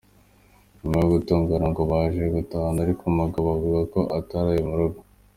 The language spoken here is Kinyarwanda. Nyuma yo gutongana ngo baje gutahana ariko umugabo avuga ko ataraye mu rugo.